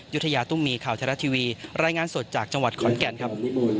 ยุธยาตุ้มมีข่าวไทยรัฐทีวีรายงานสดจากจังหวัดขอนแก่นครับ